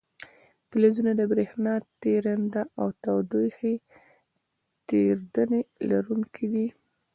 فلزونه د برېښنا تیریدنې او تودوخې تیریدنې لرونکي دي.